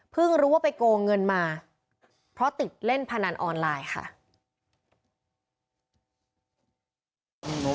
รู้ว่าไปโกงเงินมาเพราะติดเล่นพนันออนไลน์ค่ะ